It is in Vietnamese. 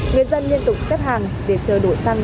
người dân liên tục xếp hàng để chờ đổi xăng